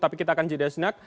tapi kita akan jeda senak